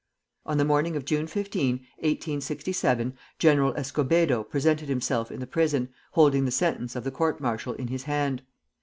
On the morning of June 15, 1867, General Escobedo presented himself in the prison, holding the sentence of the court martial in his hand.